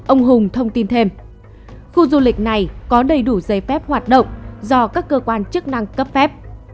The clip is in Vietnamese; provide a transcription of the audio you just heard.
ông hùng thông tin thêm khu du lịch này có đầy đủ giấy phép hoạt động do các cơ quan chức năng cấp phép